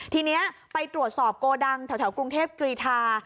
ทีนี้ไปตรวจสอบโกดังแถวกรุงเทพกรีธา